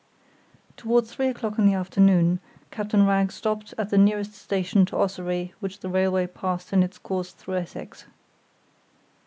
Toward three o'clock in the afternoon Captain Wragge stopped at the nearest station to Ossory which the railway passed in its course through Essex.